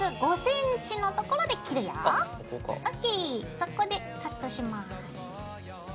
そこでカットします。